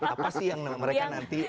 apa sih yang mereka nanti